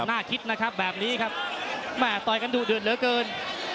น่าคิดนะครับแบบนี้ครับแม่ต่อยกันดุเดือดเหลือเกิน